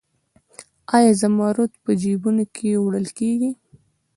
آیا زمرد په جیبونو کې وړل کیږي؟